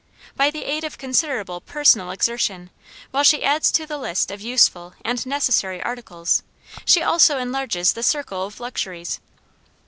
By the aid of considerable personal exertion, while she adds to the list of useful and necessary articles, she also enlarges the circle of luxuries.